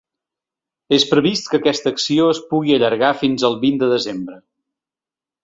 És previst que aquesta acció es pugui allargar fins al vint de desembre.